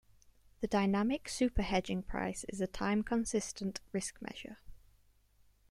The dynamic superhedging price is a time consistent risk measure.